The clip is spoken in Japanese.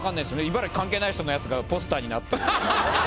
茨城関係ない人のやつがポスターになってるって。